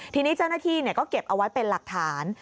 ทีนี้เจ้าหน้าที่ก็เก็บเอาไว้เป็นหลักฐาน